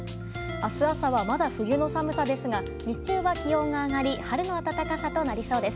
明日朝は、まだ冬の寒さですが日中は気温が上がり春の暖かさとなりそうです。